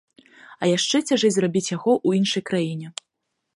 А яшчэ цяжэй зрабіць яго ў іншай краіне.